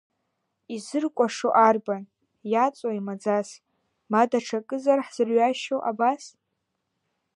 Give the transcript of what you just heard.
Изыркәашо арбан, иаҵои маӡас, ма даҽакызар ҳзырҩашьо абас?